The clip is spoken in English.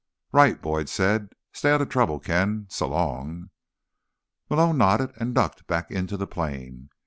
"Right," Boyd said. "Stay out of trouble, Ken. So long." Malone nodded and ducked back into the plane.